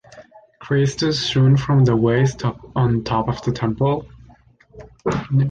Christ is shown from the waist up on top of the Temple.